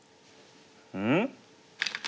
うん？